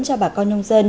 cho bà con nông dân